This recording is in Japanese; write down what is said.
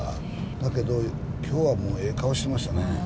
だけど、きょうはもうええ顔してましたね。